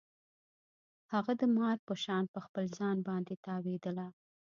هغه د مار په شان په خپل ځان باندې تاوېدله.